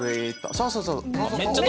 そうそうそう！